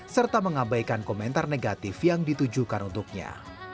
serta mengabaikan komentar negatif yang ditujukan untuknya